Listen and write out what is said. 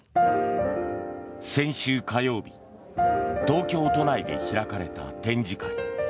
先週火曜日東京都内で開かれた展示会。